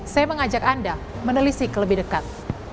saya mengajak anda menelisi ke lebih dekat